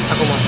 aku mau pergi